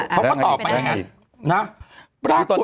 เขาก็ตอบไปอย่างนั้นนะ